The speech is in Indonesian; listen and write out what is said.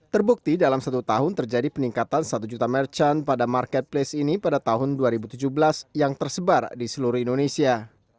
terbukti dalam satu tahun terjadi peningkatan satu juta merchant pada marketplace ini pada tahun dua ribu tujuh belas yang tersebar di seluruh indonesia